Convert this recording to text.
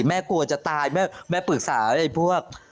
กลัวจะตายแม่ปรึกษาไอ้พวก